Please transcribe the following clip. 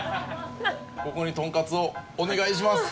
ここにトンカツをお願いします。